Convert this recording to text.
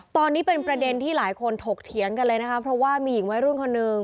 ตอนนี้เป็นประเด็นที่หลายคนถกเถียงกันเลยนะคะเพราะว่ามีหญิงวัยรุ่นคนหนึ่ง